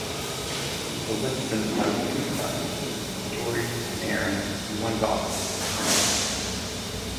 The Lishmans have two sons, Geordie and Aaron, and one daughter, Carmen.